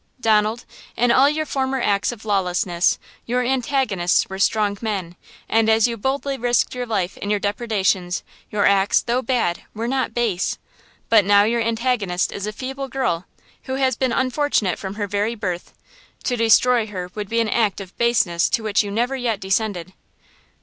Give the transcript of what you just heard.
"Donald, in all your former acts of lawlessness your antagonists were strong men; and as you boldly risked your life in your depredations, your acts, though bad, were not base! But now your antagonist is a feeble girl, who has been unfortunate from her very birth; to destroy her would be an act of baseness to which you never yet descended."